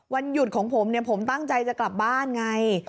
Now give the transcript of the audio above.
วันหยุดของผมเนี่ยผมตั้งใจจะกลับบ้านไง